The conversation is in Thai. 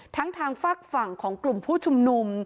ทางฝากฝั่งของกลุ่มผู้ชุมนุม